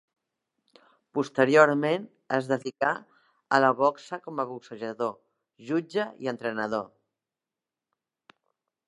Posteriorment es dedicà a la boxa, com a boxejador, jutge i entrenador.